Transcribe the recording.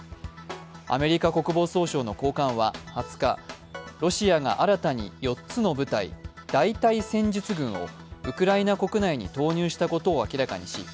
アメリカ国防総省の高官は２０日、ロシアが新たに４つの部隊大隊戦術群をウクライナ国内に投入したことを明らかにし